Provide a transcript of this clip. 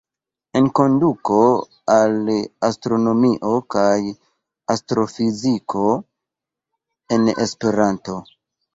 "Enkonduko al astronomio kaj astrofiziko" - en Esperanto!